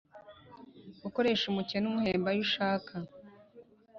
gukoresha umukene umuhemba ayo ushaka